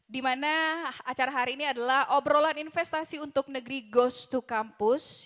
di mana acara hari ini adalah obrolan investasi untuk negeri ghost to campus